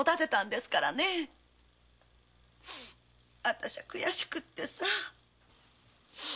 私はくやしくってさ。